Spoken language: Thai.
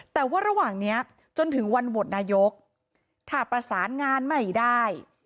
แต่ว่าระหว่างนี้จนถึงวันโหวตนายกถ้าประสานงานไม่ได้